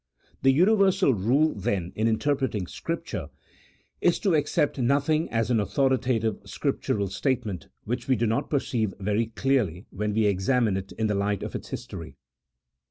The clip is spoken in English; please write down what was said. The universal rule, then, in interpreting Scripture is to accept nothing as an authoritative Scriptural statement which we do not perceive very clearly when we examine it in the light of its history.